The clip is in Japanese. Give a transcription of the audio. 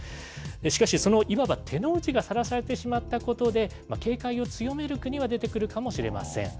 しかし、その、いわば手の内がさらされてしまったことで、警戒を強める国は出てくるかもしれません。